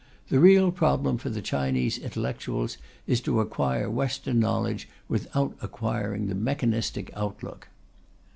The real problem for the Chinese intellectuals is to acquire Western knowledge without acquiring the mechanistic outlook.